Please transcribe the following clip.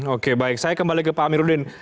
oke baik saya kembali ke pak amiruddin